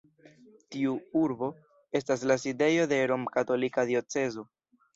Tiu urbo estas la sidejo de romkatolika diocezo.